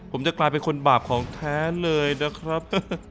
ผมจะกลายเป็นคนบาปของแท้เลยนะครับ